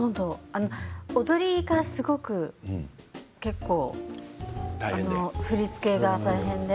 踊りからすごく結構、振り付けが大変で。